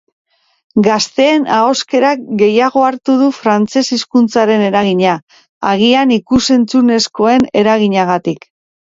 Gazteen ahoskerak gehiago hartu du frantzes hizkuntzaren eragina, agian ikus-entzunezkoen eraginagatik.